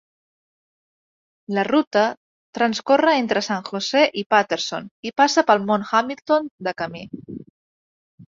La ruta transcorre entre San Jose i Patterson i passa pel Mont Hamilton de camí.